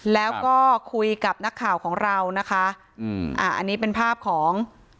แล้วก็คุยกับนักข่าวของเราอันนี้เป็นภาพของ